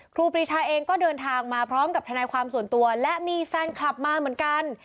ครูปรีชาเองก็เดินทางมาพร้อมกับทนายความส่วนตัวและมีแฟนคลับมาเหมือนกัน